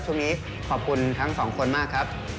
ช่วงนี้ขอบคุณทั้งสองคนมากครับ